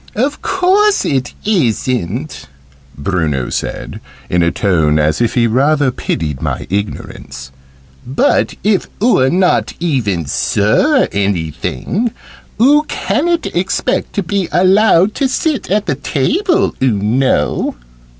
"Of course it isn't," Bruno said, in a tone as if he rather pitied my ignorance; "but if oo're not even Sir Anything, oo ca'n't expect to be allowed to sit at the table, oo know."